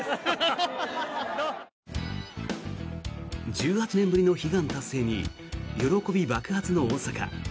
１８年ぶりの悲願達成に喜び爆発の大阪。